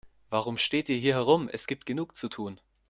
Warum steht ihr hier herum, es gibt genug zu tun.